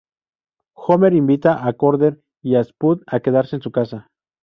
Homer invita a Cooder y a Spud a quedarse en su casa.